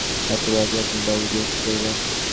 এত রাতে আপনি বাড়ি গিয়ে কি করবেন?